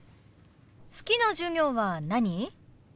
好きな授業は何？